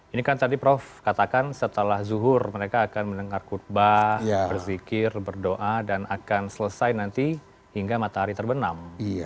ini kan tadi prof katakan setelah zuhur mereka akan mendengar khutbah berzikir berdoa dan akan selesai nanti hingga matahari terbenam